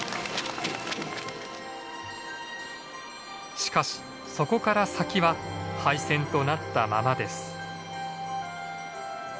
しかしそこから先は廃線となったままです。